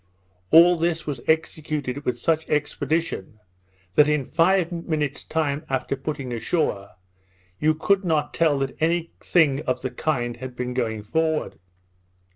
All this was executed with such expedition, that in five minutes time after putting ashore, you could not tell that any thing of the kind had been going forward.